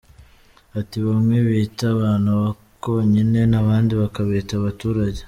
Ati “Bamwe bita abantu Abakonyine abandi bakabita Abaturage.